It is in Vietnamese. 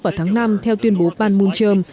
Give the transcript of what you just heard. vào tháng năm theo tuyên bố panmunjom